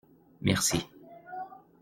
Merci.